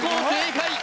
正解